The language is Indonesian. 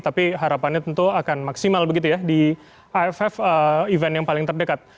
tapi harapannya tentu akan maksimal begitu ya di aff event yang paling terdekat